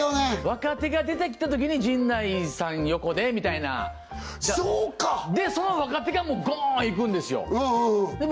若手が出てきたときに陣内さん横でみたいなそうか！でその若手がもうゴーンいくんですよで